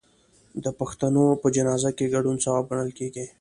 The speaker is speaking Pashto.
د پښتنو په جنازه کې ګډون ثواب ګڼل کیږي.